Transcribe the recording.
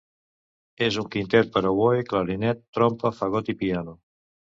És un quintet per a oboè, clarinet, trompa, fagot i piano.